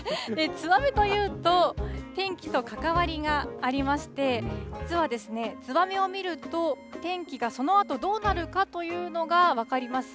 ツバメというと、天気と関わりがありまして、実はツバメを見ると、天気がそのあと、どうなるかというのが分かります。